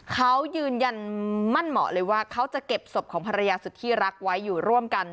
เขายืนยันมั่นเหมาะเลยว่าเขาจะเก็บศพของภรรยาสุดที่รักไว้อยู่ร่วมกัน